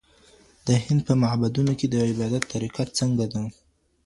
د هند په معبدونو کي د عبادت طریقه څنګه ده؟